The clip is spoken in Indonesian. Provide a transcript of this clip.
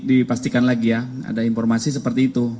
dipastikan lagi ya ada informasi seperti itu